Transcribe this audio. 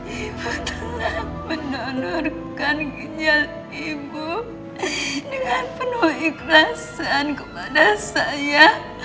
ibu telah menonorkannya ibu dengan penuh ikhlasan kepada saya